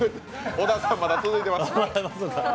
小田さんまだ続いてます。